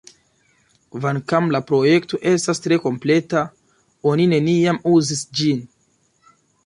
Kvankam la projekto estas tre kompleta, oni neniam uzis ĝin.